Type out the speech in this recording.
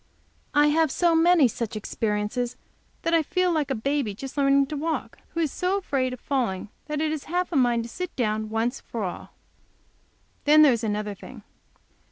I have so many such experiences that I feel like a baby just learning to walk, who is so afraid of falling that it has half a mind to sit down once for all. Then there is another thing.